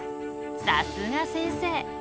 さすが先生。